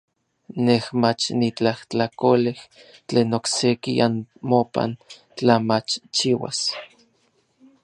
Nej mach nitlajtlakolej tlen okseki anmopan tla machchiuas.